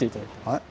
はい。